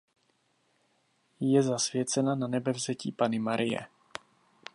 Je zasvěcena Nanebevzetí Panny Marie.